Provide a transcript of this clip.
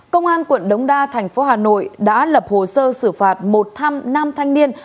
công an quận đống đa thành phố hà nội đã lập hồ sơ xử phạt một tham nam thanh niên